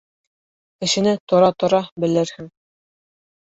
Кешене тора-тора, белерһең.